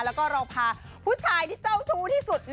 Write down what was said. แล้วก็เราพาผู้ชายที่เจ้าชู้ที่สุด